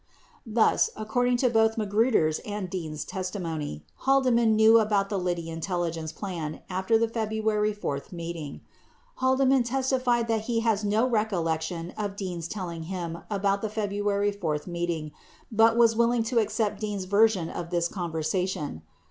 76 Thus, according to both Magruder's and Dean's testimony, Halde man knew about the Liddy intelligence plan after the February 4 meeting. Haldeman testified that he has no recollection of Dean's tell ing him about the February 4 meeting, but was willing to accept Dean's version of this conversation.